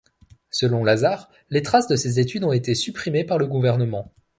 Selon Lazar, les traces de ses études ont été supprimées par le gouvernement.